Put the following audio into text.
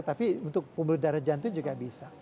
tapi untuk pembuluh darah jantung juga bisa